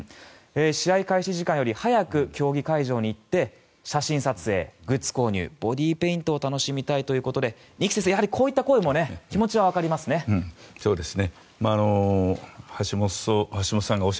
試合開始時間より早く競技会場に行って写真撮影、グッズ購入ボディーペイントを楽しみたいということで二木先生、こういった声も気持ちは分かりますね。